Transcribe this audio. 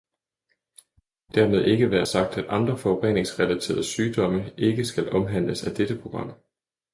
Dermed ikke være sagt, at andre forureningsrelaterede sygdomme ikke skal omhandles af dette program.